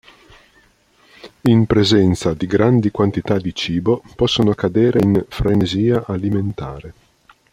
In presenza di grandi quantità di cibo possono cadere in frenesia alimentare.